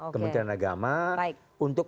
kementerian agama untuk